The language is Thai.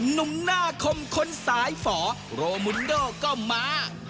หนุ่มหน้าคมคนสายฝอโรมุนโดก็มา